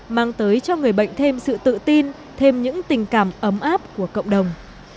mang tới cho người bệnh thêm sự tự tin thêm những tình cảm ấm áp của cộng đồng